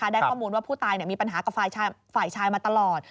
ได้ข้อมูลว่าผู้ตายมีปัญหากับฝ่ายชายมาตลอด